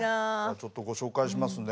ちょっとご紹介しますね。